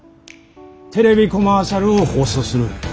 テレビコマーシャルを放送する。